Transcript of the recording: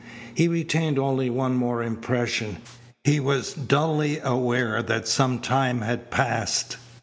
He retained only one more impression. He was dully aware that some time had passed.